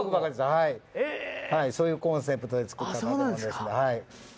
そういうコンセプトで作った建物ですので。